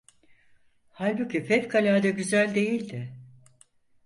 Halbuki fevkalâde güzel değildi.